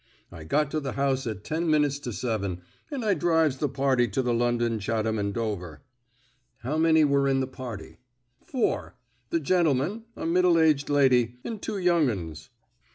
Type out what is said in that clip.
I got to the house at ten minutes to seven, and I drives the party to the London, Chatham, and Dover." "How many were in the party?" "Four. The gentleman, a middle aged lady, and two young 'uns."